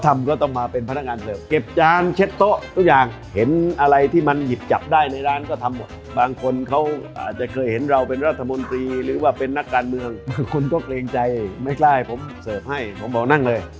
ไม่คล้ายผมเสิร์ฟให้ผมออกนั่งเลยตามสบาย